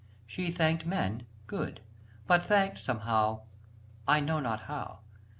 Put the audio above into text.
She thanked men, good; but thanked Somehow ... I know not how ...